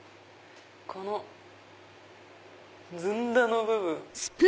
このずんだの部分。